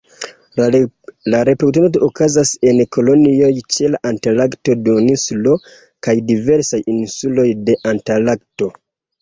La reproduktado okazas en kolonioj ĉe la Antarkta Duoninsulo, kaj diversaj insuloj de Antarkto.